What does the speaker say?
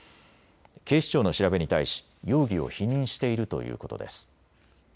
警視庁の調べに対し容疑を否認しているということです。